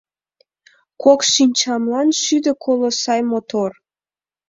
Кок шинчамлан шӱдӧ коло сай мотор